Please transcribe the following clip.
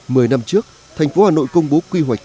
mười năm trước thành phố hà nội công bố quy hoạch